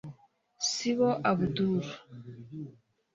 Sibo Abdul